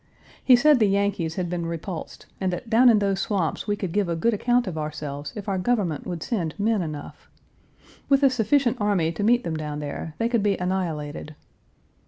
He said the Yankees had been repulsed, and that down in those swamps we could give a good account of ourselves if our government would send men enough. With a sufficient army to meet them down there, they could be annihilated.